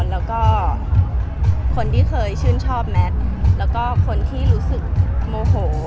แล้วก็คนที่เคยชื่นชอบแมทแล้วก็คนที่รู้สึกโมโห